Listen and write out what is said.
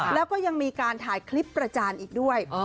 แล้วก็ยังมีการถ่ายคลิปประจานอีกด้วย